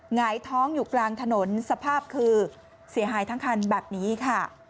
หงายท้องอยู่กลางถนนสภาพคือเสียหายทั้งคันแบบนี้ค่ะ